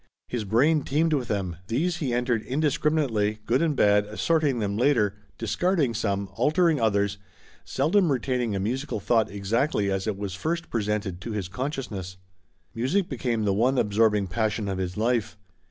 His brain teemed with them; these he entered indiscriminately, good and bad, assorting them later, discarding some, altering others, seldom retaining a musical thought exactly as it was first presented to his consciousness. Music became the one absorbing passion of his life.